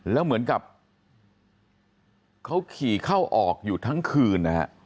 แล้วเหมือนกับเขาขี่เข้าออกอยู่ทั้งคืนนะฮะ